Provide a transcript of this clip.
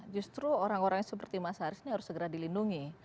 justru orang orang seperti mas haris ini harus segera dilindungi